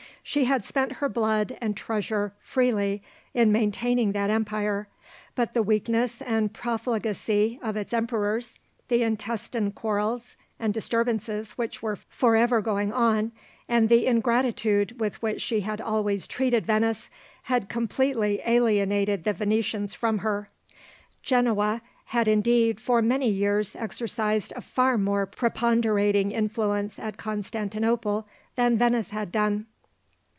She had spent her blood and treasure freely in maintaining that empire; but the weakness and profligacy of its emperors, the intestine quarrels and disturbances which were forever going on, and the ingratitude with which she had always treated Venice, had completely alienated the Venetians from her. Genoa had, indeed, for many years exercised a far more preponderating influence at Constantinople than Venice had done.